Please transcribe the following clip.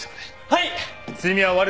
はい。